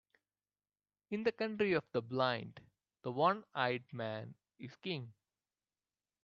In the country of the blind, the one-eyed man is king.